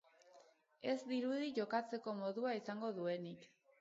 Ez dirudi jokatzeko modua izango duenik.